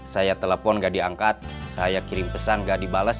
saya telepon gak diangkat saya kirim pesan gak dibalas